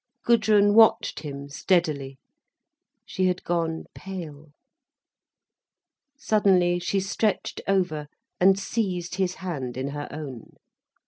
Gudrun watched him steadily. She had gone pale. Suddenly she stretched over and seized his hand in her own.